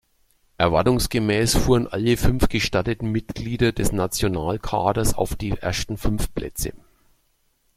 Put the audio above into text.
Erwartungsgemäß fuhren alle fünf gestarteten Mitglieder des Nationalkaders auf die ersten fünf Plätze.